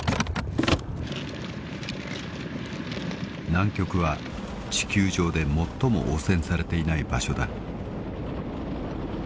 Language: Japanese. ［南極は地球上で最も汚染されていない場所だ］